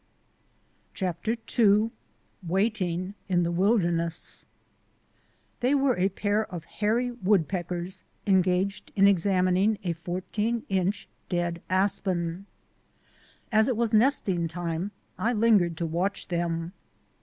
CHAPTER II WAITING IN THE WILDERNESS THEY were a pair of hairy woodpeckers engaged in examining a fourteen inch dead aspen. As it was nesting time I lingered to watch them.